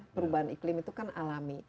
perubahan iklim itu kan alami